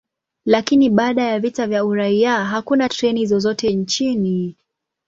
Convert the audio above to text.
Lakini baada ya vita vya uraia, hakuna treni zozote nchini.